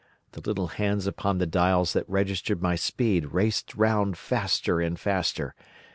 The little hands upon the dials that registered my speed raced round faster and faster.